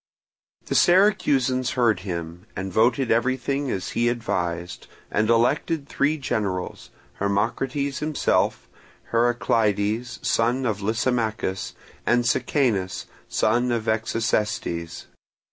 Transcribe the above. The Syracusans heard him, and voted everything as he advised, and elected three generals, Hermocrates himself, Heraclides, son of Lysimachus, and Sicanus, son of Execestes.